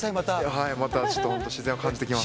はい、またちょっと、本当、自然を感じてきます。